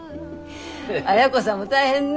亜哉子さんも大変ね。